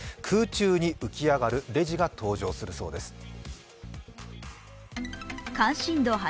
空中に浮き上がるレジが登場するそうです。